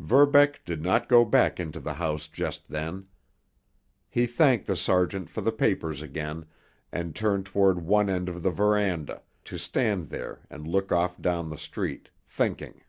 Verbeck did not go back into the house just then. He thanked the sergeant for the papers again, and turned toward one end of the veranda, to stand there and look off down the street, thinking.